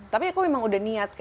tapi aku memang udah niat